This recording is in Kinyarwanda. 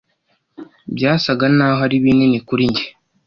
byasaga naho ari binini kuri njye.